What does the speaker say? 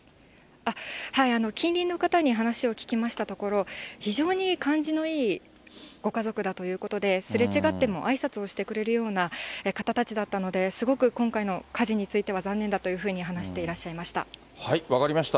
近隣の方に話を聞きましたところ、非常に感じのいいご家族だということで、すれ違ってもあいさつをしてくれるような方たちだったので、すごく、今回の火事については、残念だというふうに話していらっ分かりました。